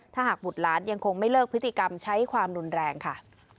ถ้าหากบุตรหลานยังคงไม่เลิกพฤติกรรมใช้ความรุนแรงค่ะ